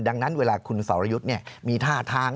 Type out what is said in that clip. ดังนั้นเวลาคุณสรยุทธ์มีท่าทาง